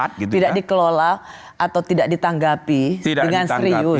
tidak dikelola atau tidak ditanggapi dengan serius